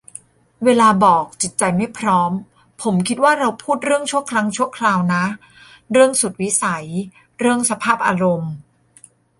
เวลาบอก "จิตใจไม่พร้อม" ผมคิดว่าเราพูดถึงเรื่องชั่วครั้งชั่วคราวนะ เรื่องสุดวิสัย เรื่องสภาพอารมณ์